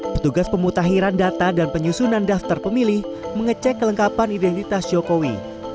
petugas pemutahiran data dan penyusunan daftar pemilih mengecek kelengkapan identitas jokowi